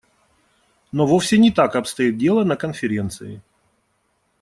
Но вовсе не так обстоит дело на Конференции.